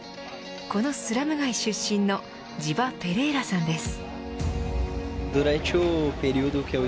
このスラム街出身のジバ・ペレイラさんです。